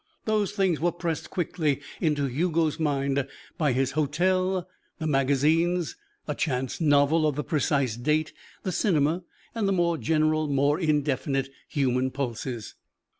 Those things were pressed quickly into Hugo's mind by his hotel, the magazines, a chance novel of the precise date, the cinema, and the more general, more indefinite human pulses.